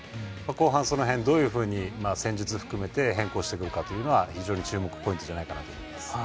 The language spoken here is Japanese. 後半、その辺どういうふうに戦術含めて変更してくるかが非常に注目ポイントじゃないかなと思います。